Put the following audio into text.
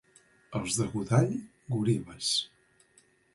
Els de Godall, goril·les.